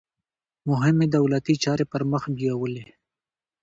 مهمې دولتي چارې پرمخ بیولې.